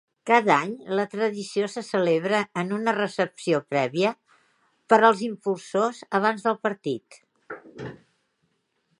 Cada any la tradició se celebra en una recepció prèvia per als impulsors abans del partit.